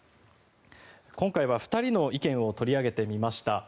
今回は２人の意見を取り上げてみました。